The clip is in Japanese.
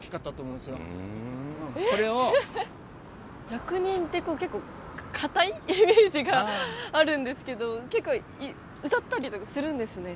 役人って結構堅いイメージがあるんですけど結構歌ったりとかするんですね。